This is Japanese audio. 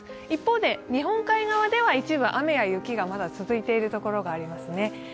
一方で、日本海側では一部雨や雪がまだ続いている所がありますね。